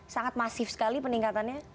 sangat masif sekali peningkatannya